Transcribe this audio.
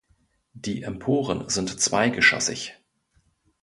Die Emporen sind zweigeschossig.